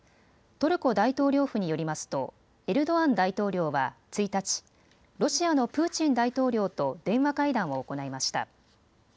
トルコ大統領府によりますとエルドアン大統領は１日、ロシアのプーチン大統領と電話会談を行いました。